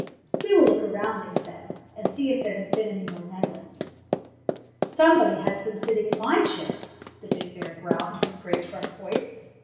" We will look around," they said, "and see if there has been any more meddling." "SOMEBODY HAS BEEN SITTING IN MY CHAIR!" the big bear growled in his great gruff voice.